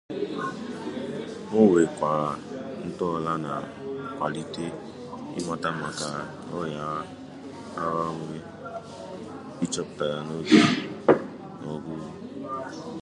O nwekwara ntọala na-akwalite ị mata maka ọrịa ara ure, ịchọpụta ya n'oge na ọgwụgwọ.